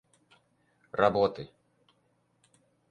работы